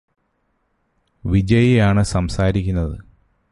വിജയിയാണ് സംസാരിക്കുന്നത്